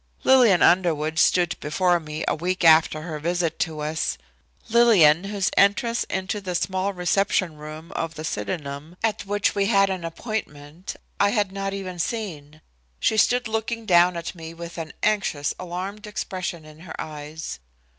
Lillian Underwood stood before me a week after her visit to us. Lillian, whose entrance into the small reception room of the Sydenham, at which we had an appointment, I had not even seen. She stood looking down at me with an anxious, alarmed expression in her eyes.